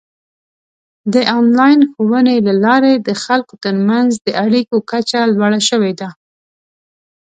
د آنلاین ښوونې له لارې د خلکو ترمنځ د اړیکو کچه لوړه شوې ده.